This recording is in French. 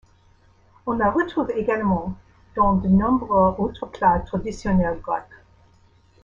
On la retrouve également dans de nombreux autres plats traditionnels grecs.